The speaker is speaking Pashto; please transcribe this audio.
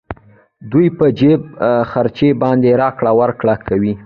دوی په جېب خرچې باندې راکړه ورکړه کوي